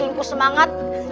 kakanda bilang mereka sakti